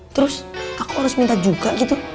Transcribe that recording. terus aku harus minta juga gitu